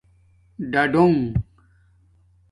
ڈاڈݹنݣ